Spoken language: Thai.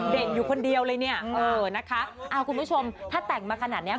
อยู่คนเดียวเลยเนี่ยเออนะคะเอาคุณผู้ชมถ้าแต่งมาขนาดเนี้ย